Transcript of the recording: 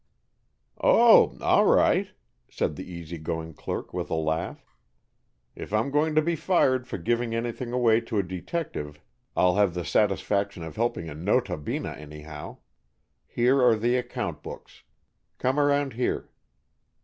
"Oh, all right," said the easy going clerk, with a laugh. "If I'm going to be fired for giving anything away to a detective, I'll have the satisfaction of helping a Nota Bena anyhow. Here are the account books. Come around here."